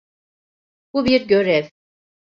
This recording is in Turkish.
Bu bir görev.